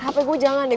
hape gue jangan ya